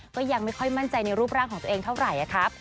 ก็ยังไม่ค่อยมั่นใจในรูปร่างของตัวเองเท่าไหร่ครับ